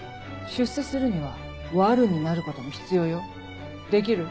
出世するには悪女になることも必要よできる？